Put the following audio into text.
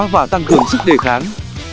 và tăng cường sức đề kháng